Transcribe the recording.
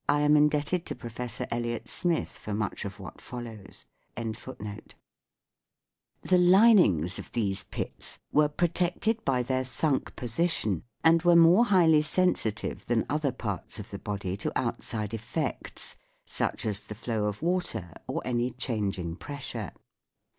am indebted to Professor Elliot Smith for much of what follows. SOUNDS OF THE SEA 137 their sunk position and were more highly sensitive than, other parts of the body to outside effects such as the flow of water or any changing pressure.